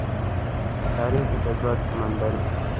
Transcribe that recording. تاریخ د جذباتو سمندر دی.